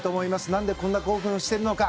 なんでこんな興奮してるのか。